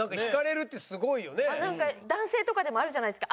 なんか男性とかでもあるじゃないですか。